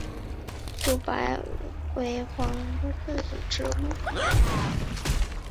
乳白黄耆为豆科黄芪属的植物。